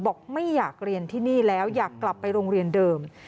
ไม่อยากเรียนที่นี่แล้วอยากกลับไปโรงเรียนเดิม